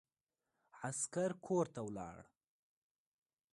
عسکر کورته ولاړ.